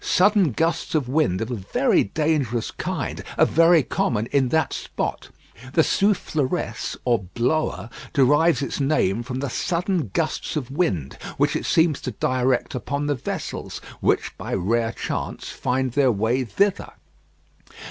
Sudden gusts of wind of a very dangerous kind are very common in that spot. The Soufleresse, or Blower, derives its name from the sudden gusts of wind which it seems to direct upon the vessels, which by rare chance find their way thither.